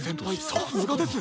さすがです！